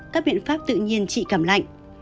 các biện pháp tự nhiên trị cảm lạnh